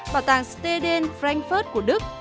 bảo tàng steden frankfurt